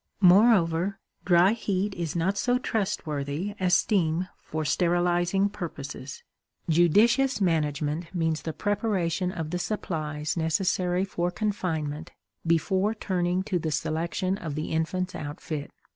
Moreover, dry heat is not so trustworthy as steam for sterilizing purposes. Judicious management means the preparation of the supplies necessary for confinement before turning to the selection of the infant's outfit.